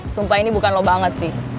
sumpah ini bukan lo banget sih